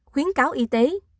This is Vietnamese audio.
khuyến cáo y tế